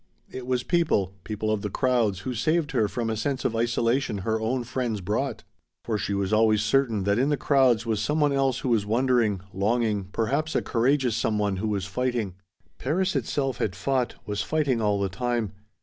It was people, people of the crowds, who saved her from a sense of isolation her own friends brought: for she was always certain that in the crowds was some one else who was wondering, longing, perhaps a courageous some one who was fighting. Paris itself had fought, was fighting all the time.